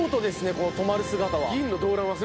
この止まる姿は。